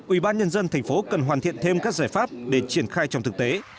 ubnd thành phố cần hoàn thiện thêm các giải pháp để triển khai trong thực tế